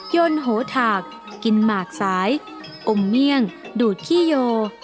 ยนโหถากกินหมากสายอมเมี่ยงดูดขี้โย